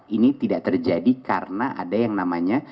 ini tidak terjadi karena ada yang namanya